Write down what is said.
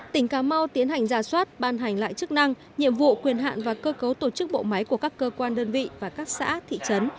tỉnh cà mau tiến hành ra soát ban hành lại chức năng nhiệm vụ quyền hạn và cơ cấu tổ chức bộ máy của các cơ quan đơn vị và các xã thị trấn